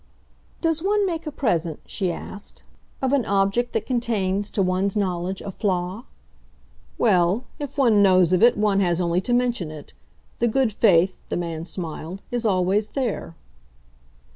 "Does one make a present," she asked, "of an object that contains, to one's knowledge, a flaw?" "Well, if one knows of it one has only to mention it. The good faith," the man smiled, "is always there."